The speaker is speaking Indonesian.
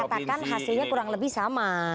tapi tadi kan anda katakan hasilnya kurang lebih sama